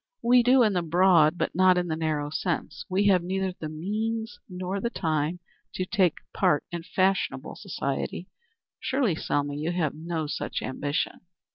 "We do in the broad, but not in the narrow sense. We have neither the means nor the time to take part in fashionable society. Surely, Selma, you have no such ambition?"